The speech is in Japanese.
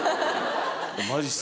マジっすか？